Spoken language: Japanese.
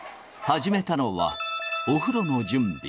始めたのは、お風呂の準備。